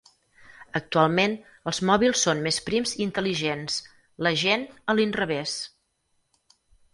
Actualment, els mòbils són més prims i intel·ligents; la gent, a l'inrevés.